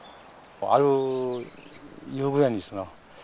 ある夕暮れにその。